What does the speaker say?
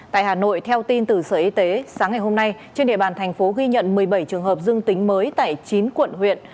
tại hà nội theo tin từ sở y tế sáng ngày hôm nay trên địa bàn thành phố ghi nhận một mươi bảy trường hợp dương tính mới tại chín quận huyện